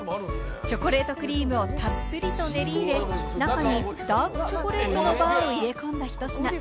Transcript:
チョコレートクリームをたっぷりと練り入れ、中にダークチョコレートのバーを入れ込んだひと品。